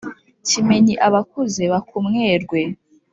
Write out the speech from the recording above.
kimenyi abakuzi bakumwerwe.